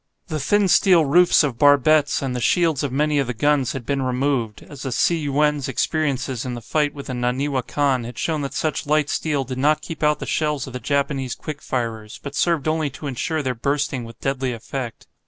The thin steel roofs of barbettes, and the shields of many of the guns, had been removed, as the "Tsi yuen's" experiences in the fight with the "Naniwa Kan" had shown that such light steel did not keep out the shells of the Japanese quick firers, but served only to ensure their bursting with deadly effect.